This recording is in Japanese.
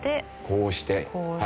こうして。